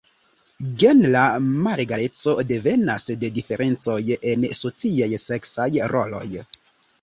Genra malegaleco devenas de diferencoj en sociaj seksaj roloj.